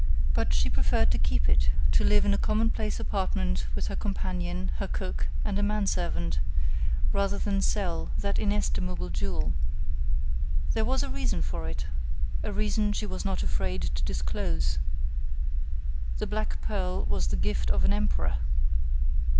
But she preferred to keep it, to live in a commonplace apartment with her companion, her cook, and a man servant, rather than sell that inestimable jewel. There was a reason for it; a reason she was not afraid to disclose: the black pearl was the gift of an emperor!